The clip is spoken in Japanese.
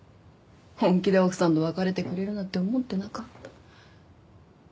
本気で奥さんと別れてくれるなんて思ってなかった。